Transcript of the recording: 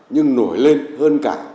nhưng nổi lên hơn cả